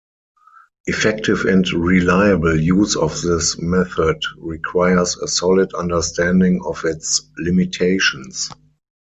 Effective and reliable use of this method requires a solid understanding of its limitations.